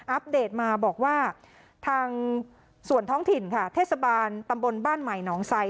อปเดตมาบอกว่าทางส่วนท้องถิ่นค่ะเทศบาลตำบลบ้านใหม่หนองไซ